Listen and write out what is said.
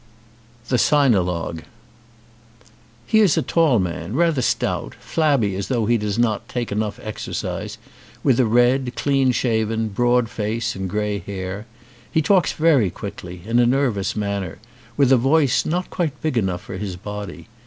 LV THE SINOLOGUE HE is a tall man, rather stout, flabby as though he does not take enough exer cise, with a red, clean shaven, broad face and' grey hair. He talks very quickly, in a nervous manner, with a voice not quite big enough for his body.